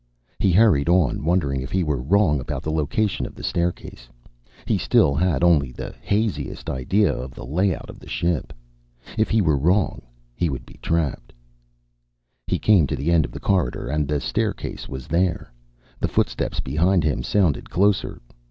He hurried on, wondering if he were wrong about the location of the staircase. He still had only the haziest idea of the layout of the ship. If he were wrong, he would be trapped. He came to the end of the corridor, and the staircase was there. The footsteps behind him sounded closer.